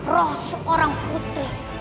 roh seorang putri